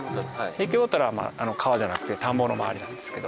ヘイケボタルは川じゃなくて田んぼの周りなんですけど。